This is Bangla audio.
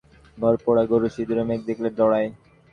ঘর পোড়া গরু সিঁদুরে মেঘ দেখলে ডড়ায়।